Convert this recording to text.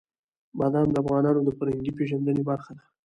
بادام د افغانانو د فرهنګي پیژندنې برخه ده.